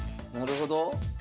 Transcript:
なるほど。